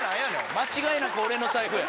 間違いなく俺の財布や。